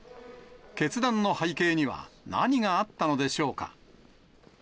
決断の背景には何があったのでしょうか。